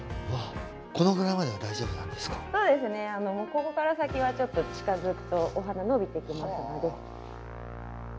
ここから先はちょっと近づくとお鼻伸びてきますので。